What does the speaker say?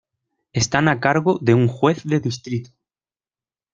Están a cargo de un Juez de Distrito.